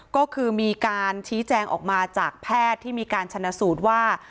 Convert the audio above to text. ก็คือมีการชี้แจงออกมาจากแพทย์ที่มีการชนะสูตรว่า